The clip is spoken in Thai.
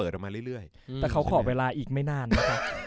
แต่เขาขอเวลาอีกไม่นานนะคะ